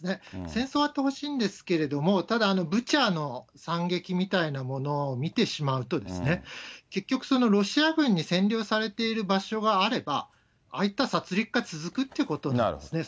戦争終わってほしいんですけども、ただブチャの惨劇みたいなものを見てしまうと、結局、ロシア軍に占領されている場所があれば、ああいった殺りくが続くっていうことなんですね。